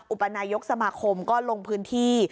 ปนายกสมาคมก็ลงพื้นที่